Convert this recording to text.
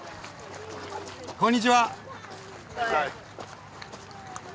こんにちは。